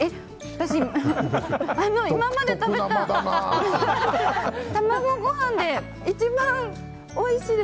私、今まで食べた卵ご飯で一番おいしい。